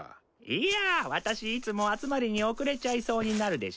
いや私いつも集まりに遅れちゃいそうになるでしょ。